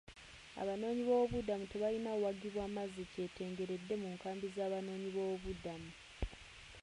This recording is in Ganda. Abanoonyiboobubuddamu tebalina waggibwa mazzi kyetengeredde mu nkambi z'abanoonyiboobubudamu.